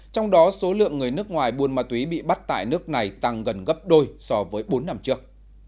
trong đó số lượng người nước ngoài buôn ma túy bị bắt tại nước này tăng gần gấp đôi so với bốn năm trước